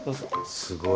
すごい。